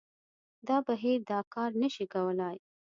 دا بهیر دا کار نه شي کولای